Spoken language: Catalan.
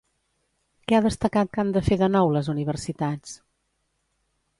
Què ha destacat que han de fer de nou les universitats?